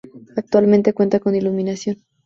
Actualmente cuenta con iluminación.